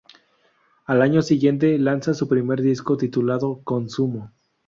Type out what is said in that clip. Al año siguiente, lanzan su primer disco titulado "Consumo".